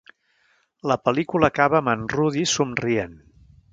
La pel·lícula acaba amb en Rudy somrient.